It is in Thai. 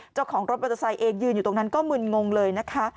เจ้าของรถมอเตอร์ไซค์เองยืนอยู่ตรงนั้นก็มึนงงเลยนะคะ